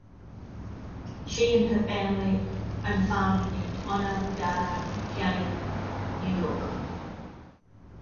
She and her family own a farm in Onondaga County, New York.